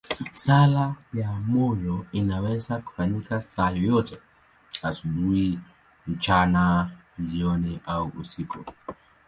Sala ya moyo inaweza kufanyika saa yoyote, asubuhi, mchana, jioni au usiku.